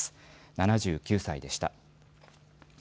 ７９歳でした。